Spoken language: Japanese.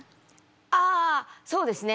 あそうですね。